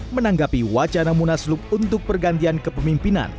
menanggapi wacana munaslup untuk pergantian kepemimpinan